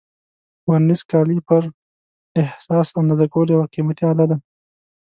ورنیز کالیپر د حساس اندازه کولو یو قیمتي آله ده.